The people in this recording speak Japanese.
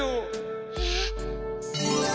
えっ。